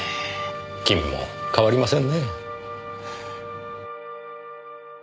君も変わりませんねえ。